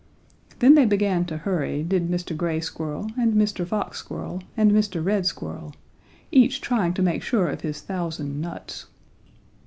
Then they began to hurry, did Mr. Gray Squirrel and Mr. Fox Squirrel and Mr. Red Squirrel, each trying to make sure of his thousand nuts.